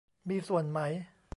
มีส่วนไหม ?